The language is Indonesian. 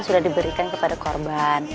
sudah diberikan kepada korban